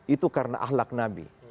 itu karena ahlak nabi